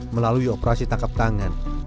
melalui operasi tangkap tangan